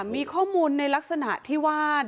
มีข้อมูลในลักษณะที่ว่า